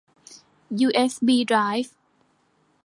ยูเอสบีไดรฟ์